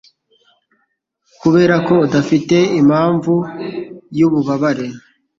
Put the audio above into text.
Kuberako udafite impamvu yububabare.